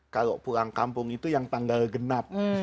kalau pulang kampung itu yang tanggal genap